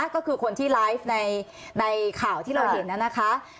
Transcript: ก็คือคนที่ไลฟ์ในข่าวที่เราเห็นนะคะ